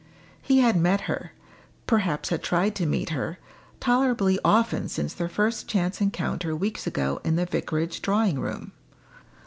He had met her perhaps had tried to meet her tolerably often since their first chance encounter weeks ago in the vicarage drawing room.